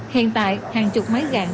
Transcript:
hiện tại hàng chục mái gàng